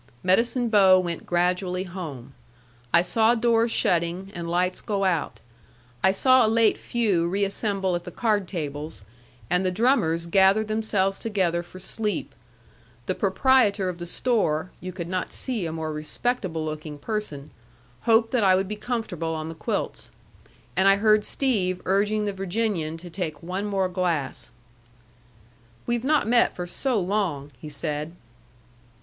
Medicine Bow went gradually home. I saw doors shutting, and lights go out; I saw a late few reassemble at the card tables, and the drummers gathered themselves together for sleep; the proprietor of the store (you could not see a more respectable looking person) hoped that I would be comfortable on the quilts; and I heard Steve urging the Virginian to take one more glass. "We've not met for so long," he said.